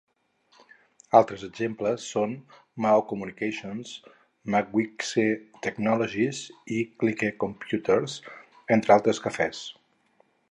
Altres exemples són Mao Communications, Mwakitse Technologies i Clique Computers, entre altres cafès.